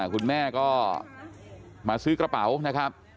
คุณแม่ก็มาซื้อกระเป๋านะครับ